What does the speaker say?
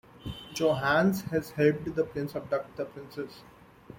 Johannes has helped the prince abduct the princess.